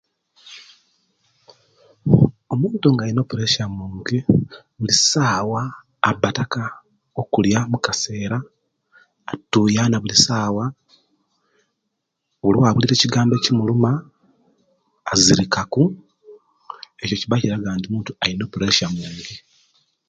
Omuntu nga alina puresya mungi bulisawa aba ataka okulya mukasera, atuyana buli kasera, buli owawulira ekigambo ekimuluma azirika ku, ekyo kibba kiraga nti omuntu oyo alina puresia mungi.